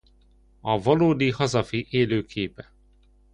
A valódi hazafi élő képe.